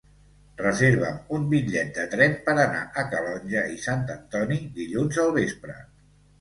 Reserva'm un bitllet de tren per anar a Calonge i Sant Antoni dilluns al vespre.